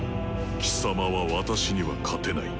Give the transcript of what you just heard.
貴様は私には勝てない。